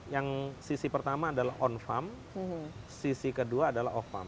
yang sisi pertama adalah on farm sisi kedua adalah off farm